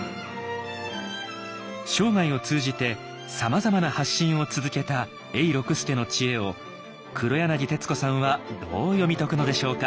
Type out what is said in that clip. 生涯を通じてさまざまな発信を続けた永六輔の知恵を黒柳徹子さんはどう読み解くのでしょうか。